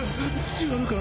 違うのか！？